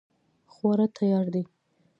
خواړه تیار دي